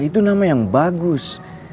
itu nama yang bagus